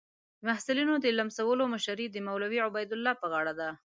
د محصلینو د لمسولو مشري د مولوي عبیدالله پر غاړه ده.